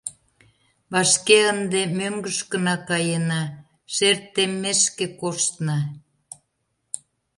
Вашке ынде мӧҥгышкына каена, шер теммешке коштна.